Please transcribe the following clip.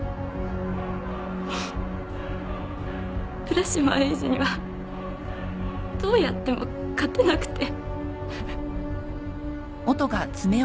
浦島エイジにはどうやっても勝てなくて。